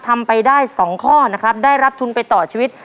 ทำไปได้๒ข้อนะครับได้รับทุนไปต่อชีวิต